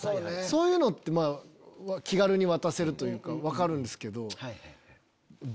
そういうの気軽に渡せるというか分かるんですけど。